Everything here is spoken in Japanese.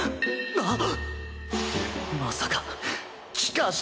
あっ！